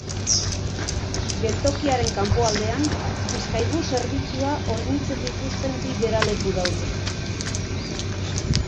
Geltokiaren kanpoaldean Bizkaibus zerbitzua hornitzen dituzten bi geraleku daude.